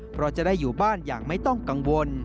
เพราะจะได้อยู่บ้านอย่างไม่ต้องกังวล